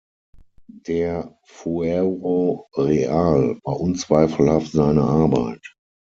Der "Fuero Real" war unzweifelhaft seine Arbeit.